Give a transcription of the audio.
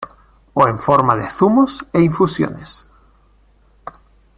O en forma de zumos e infusiones.